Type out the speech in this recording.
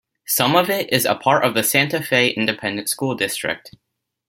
Some of it is a part of the Santa Fe Independent School District.